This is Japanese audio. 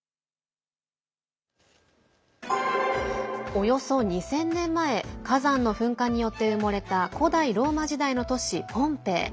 およそ２０００年前火山の噴火によって埋もれた古代ローマ時代の都市ポンペイ。